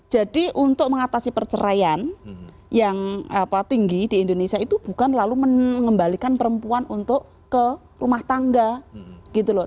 jadi untuk mengatasi perceraian yang tinggi di indonesia itu bukan lalu mengembalikan perempuan untuk ke rumah tangga gitu loh